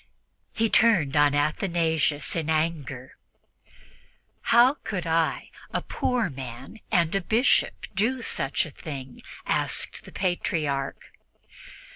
He turned on Athanasius in anger. "How could I, a poor man and a Bishop, do such a thing?" asked the Patriarch.